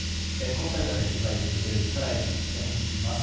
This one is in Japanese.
コスタリカで取材を続ける力石記者に聞きます。